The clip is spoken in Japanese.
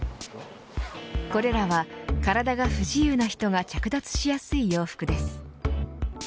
これらは、体が不自由な人が着脱しやすい洋服です。